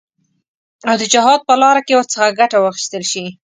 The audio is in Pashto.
او د جهاد په لاره کې ورڅخه ګټه واخیستل شي.